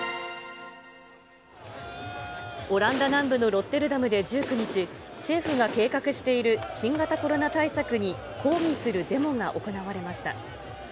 オランダ南部のロッテルダムで１９日、政府が計画している新型コロナ対策に抗議するデモが行われました。